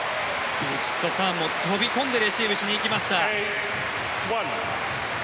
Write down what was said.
ヴィチットサーンも飛び込んでレシーブしに行きました。